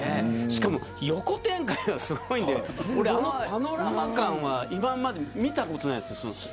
しかも横展開がすごいのであのパノラマ感は今まで見たことないです。